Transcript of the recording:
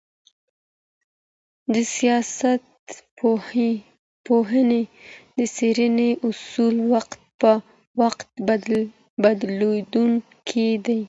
د سياست پوهني د څېړني اصولو وخت په وخت بدلون کړی دی.